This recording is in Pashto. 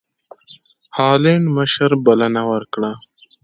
هالنډ مشر بلنه ورکړه.